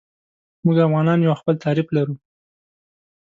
موږ افغانان یو او خپل تعریف لرو.